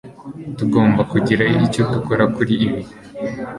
tugomba kugira icyo dukora kuri ibi